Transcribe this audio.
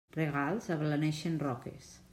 Regals ablaneixen roques.